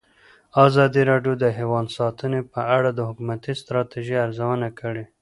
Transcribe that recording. ازادي راډیو د حیوان ساتنه په اړه د حکومتي ستراتیژۍ ارزونه کړې.